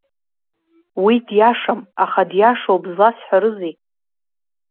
Уи диашам, аха диашоуп зласҳәарызеи?